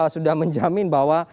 sudah menjamin bahwa